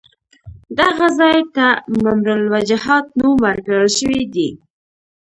دغه ځای ته ممر الوجحات نوم ورکړل شوی دی.